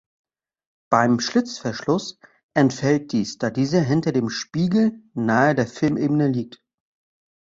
Beim Schlitzverschluss entfällt dies, da dieser hinter dem Spiegel, nahe der Filmebene liegt.